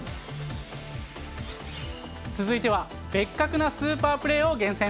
続いてはベッカクなスーパープレーを厳選。